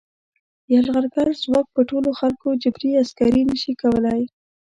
یرغلګر ځواک په ټولو خلکو جبري عسکري نه شي کولای.